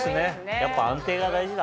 やっぱ安定が大事だ。